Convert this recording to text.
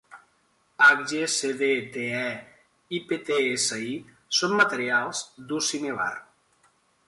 HgCdTe i PtSi són materials d'ús similar.